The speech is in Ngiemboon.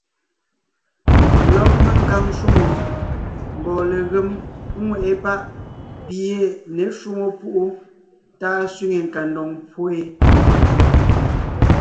Lɔg menkaŋ shwòŋo mbɔɔ legém ŋweʼe páʼ pi ye ně shwóŋo púʼu tá ɔ̀ sẅiŋe kandoŋ pwó yé.